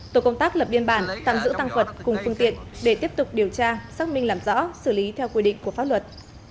tổ công tác lập biên bản tạm giữ tăng vật cùng phương tiện để tiếp tục điều tra xác minh làm rõ xử lý theo quy định của pháp luật